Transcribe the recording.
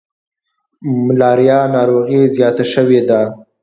ملاریا ناروغي زیاته شوي ده.